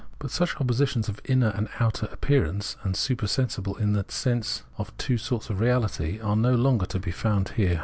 But such oppositions of inner and outer, appearance and supersensible, in the sense of two sorts of reahty, are no longer to be found here.